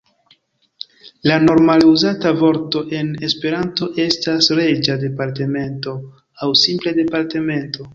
La normale uzata vorto en Esperanto estas "reĝa departemento" aŭ simple "departemento".